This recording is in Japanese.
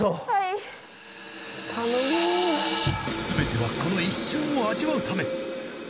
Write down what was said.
すべてはこの一瞬を味わうため。